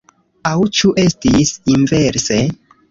Aŭ ĉu estis inverse?